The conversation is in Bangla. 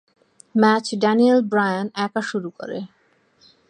ম্যাচ ড্যানিয়েল ব্রায়ান একা শুরু করে।